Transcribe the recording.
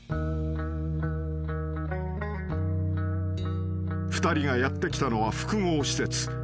［２人がやって来たのは複合施設］